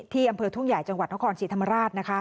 ที่อำเภอทุ่งใหญ่จังหวัดท้อคอนสิริธรรมราช